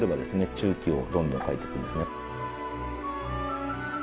注記をどんどん書いていくんですね。